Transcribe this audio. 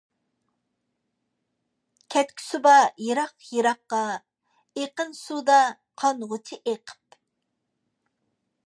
كەتكۈسى بار يىراق يىراققا، ئېقىن سۇدا قانغۇچە ئېقىپ.